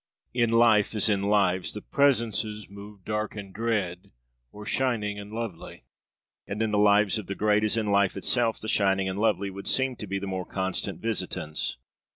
In life as in lives, the presences move dark and dread or shining and lovely; and in the lives of the great as in life itself the shining and lovely would seem to be the more constant visitants.